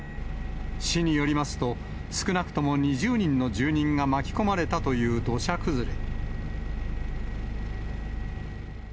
市によりますと、少なくとも２０人の住人が巻き込まれたという土砂崩れ。